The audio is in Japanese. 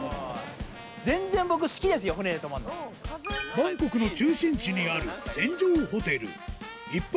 バンコクの中心地にある船上ホテル１泊